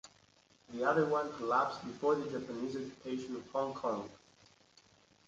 The other one collapsed before the Japanese Occupation of Hong Kong.